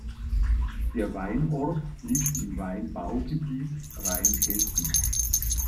Der Weinort liegt im Weinbaugebiet Rheinhessen.